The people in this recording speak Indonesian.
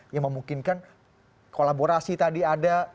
yang memungkinkan kolaborasi tadi ada